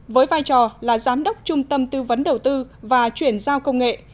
với vai trò là giám đốc trung tâm tư vấn đầu tư và chuyển giao công nghệ